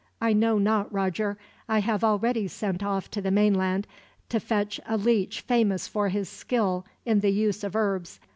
"I know not, Roger. I have already sent off to the mainland, to fetch a leech famous for his skill in the use of herbs.